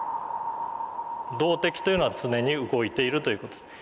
「動的」というのは常に動いているという事です。